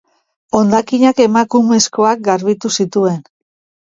Hondakinak emakumezkoak garbitu zituen.